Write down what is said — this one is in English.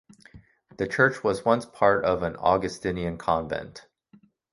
The church was once part of an Augustinian convent.